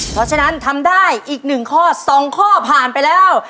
เพราะฉะนั้นทำได้อีก๑ข้อ๒ข้อผ่านไปแล้ว